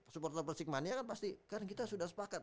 supporter persikmania kan pasti kan kita sudah sepakat